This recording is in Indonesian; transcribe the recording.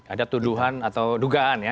ada tuduhan atau dugaan ya